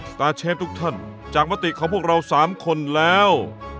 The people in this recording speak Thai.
ตาร์เชฟทุกท่านจากมติของพวกเรา๓คนแล้ว